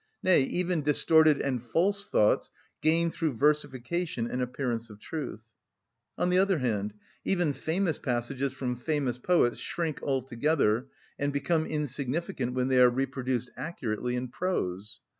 Nay, even distorted and false thoughts gain through versification an appearance of truth. On the other hand, even famous passages from famous poets shrink together and become insignificant when they are reproduced accurately in prose.